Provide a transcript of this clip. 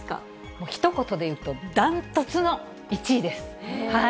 もうひと言でいうと、断トツの１位です。